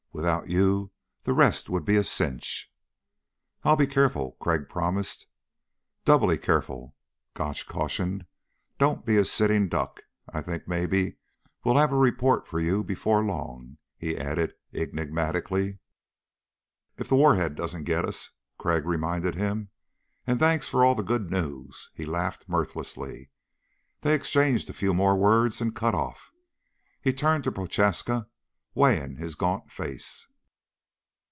Without you the rest would be a cinch." "I'll be careful," Crag promised. "Doubly careful," Gotch cautioned. "Don't be a sitting duck. I think maybe we'll have a report for you before long," he added enigmatically. "If the warhead doesn't get us," Crag reminded him. "And thanks for all the good news." He laughed mirthlessly. They exchanged a few more words and cut off. He turned to Prochaska, weighing his gaunt face.